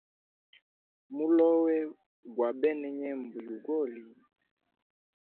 Mulowe gwa bena nyembo yugoli.